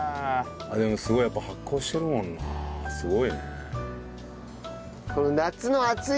でもすごいやっぱ発酵してるもんなすごいね。